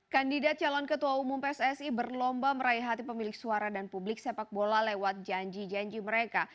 kandidat calon ketua umum pssi berlomba meraih hati pemilik suara dan publik sepak bola lewat janji janji mereka